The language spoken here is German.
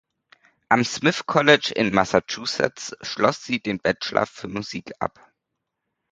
Am Smith College in Massachusetts schloss sie den Bachelor für Musik ab.